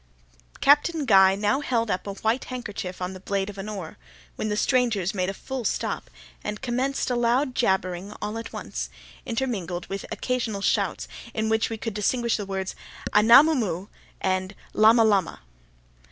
Captain Guy now held up a white handkerchief on the blade of an oar, when the strangers made a full stop, and commenced a loud jabbering all at once, intermingled with occasional shouts, in which we could distinguish the words Anamoo moo! and Lama Lama!